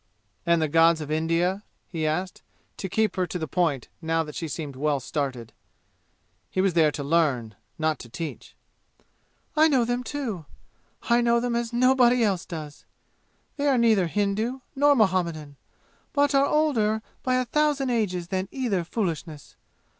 "And the gods of India?" he asked, to keep her to the point now that she seemed well started. He was there to learn, not to teach. "I know them, too! I know them as nobody else does! They are neither Hindu, nor Muhammadan, but are older by a thousand ages than either foolishness!